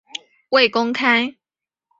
未公开